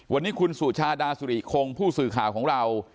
วันนี้คุณสุชาดาสุริคงผู้สื่อข่าวของเรา